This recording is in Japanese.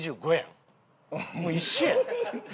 もう一緒やん。